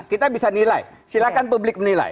kita bisa nilai silakan publik menilai